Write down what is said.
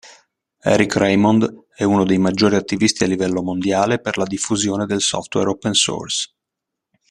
Eric Raymond è uno dei maggiori attivisti a livello mondiale per la diffusione del software open source.